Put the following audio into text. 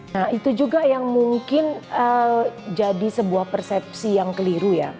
nah itu juga yang mungkin jadi sebuah persepsi yang keliru ya